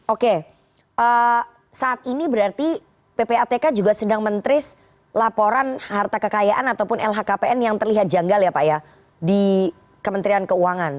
oke saat ini berarti ppatk juga sedang mentris laporan harta kekayaan ataupun lhkpn yang terlihat janggal ya pak ya di kementerian keuangan